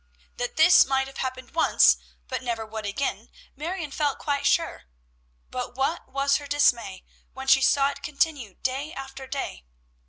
That this might have happened once, but never would again, Marion felt quite sure; but what was her dismay, when she saw it continue day after day.